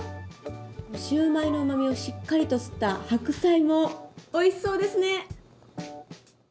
シューマイのうまみをしっかりと吸った白菜もおいしそうですね！